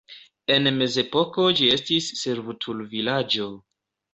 En mezepoko ĝi estis servutulvilaĝo.